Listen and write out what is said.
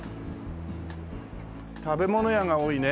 食べ物屋が多いね。